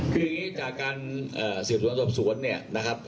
คืออย่างงี้จากการเอ่อศูนย์สนศทศวนเนี้ยนะครับ